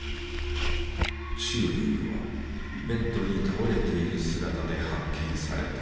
チューリングはベッドに倒れている姿で発見された。